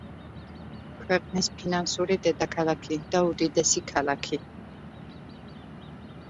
ქვეყნის ფინანსური დედაქალაქი და უდიდესი ქალაქი.